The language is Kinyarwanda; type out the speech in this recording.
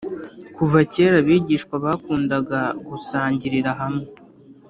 kuva kera abigishwa bakundaga gusangirira hamwe